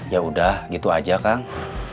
yaudah gitu aja kang